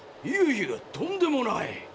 いやいやとんでもない。